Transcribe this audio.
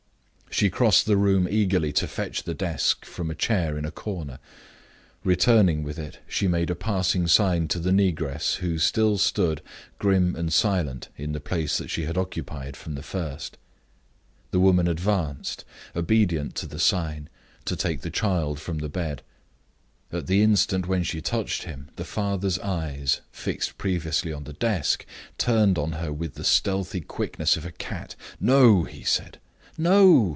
She crossed the room eagerly to fetch the desk from a chair in a corner. Returning with it, she made a passing sign to the negress, who still stood, grim and silent, in the place that she had occupied from the first. The woman advanced, obedient to the sign, to take the child from the bed. At the instant when she touched him, the father's eyes fixed previously on the desk turned on her with the stealthy quickness of a cat. "No!" he said. "No!"